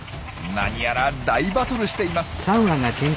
何やら大バトルしています。